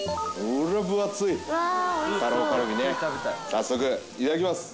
早速いただきます。